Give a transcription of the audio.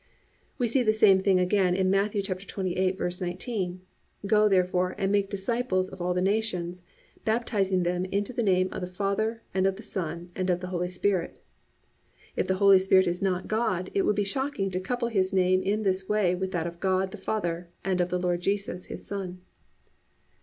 (2) We see the same thing again in Matthew 28:19: +"Go ye therefore, and make disciples of all the nations, baptising them into the name of the Father and of the Son and of the Holy Spirit."+ If the Holy Spirit is not God, it would be shocking to couple His name in this way with that of God, the Father, and of the Lord Jesus, His Son.